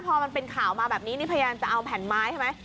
พอมันเป็นข่าวมาแบบนี้นี่พยายามจะเอาแผ่นไม้ใช่ไหม